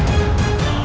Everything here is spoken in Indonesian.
aku akan menang